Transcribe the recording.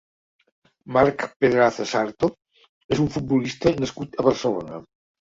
Marc Pedraza Sarto és un futbolista nascut a Barcelona.